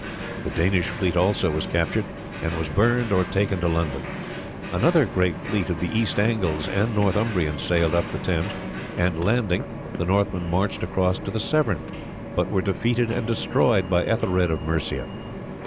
The Danish fleet also was captured, and was burned or taken to London. Another great fleet of the East Angles and Northumbrians sailed up the Thames, and landing, the Northmen marched across to the Severn, but were defeated and destroyed by Ethelred of Mercia.